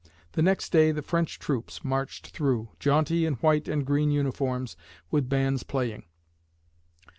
The next day, the French troops marched through, jaunty in white and green uniforms, with bands playing.